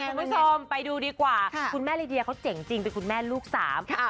คุณผู้ชมไปดูดีกว่าคุณแม่ลีเดียเขาเจ๋งจริงเป็นคุณแม่ลูกสามค่ะ